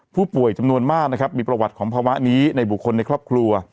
ผู้ป่วยจำนวนมากนะครับมีประวัติของภาวะนี้ในบุคคลในครอบครัว